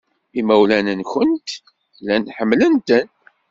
Imawlan-nwent llan ḥemmlen-ten.